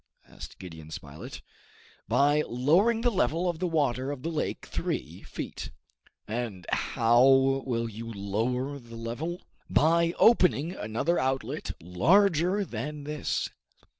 asked Gideon Spilett. "By lowering the level of the water of the lake three feet." "And how will you lower the level?" "By opening another outlet larger than this."